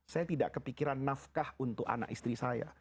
saya tidak kepikiran nafkah untuk anak istri saya